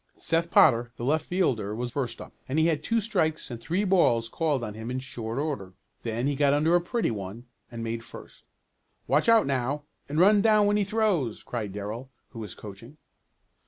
Seth Potter, the left fielder, was first up, and he had two strikes and three balls called on him in short order. Then he got under a pretty one and made first. "Watch out now, and run down when he throws!" cried Darrell, who was coaching.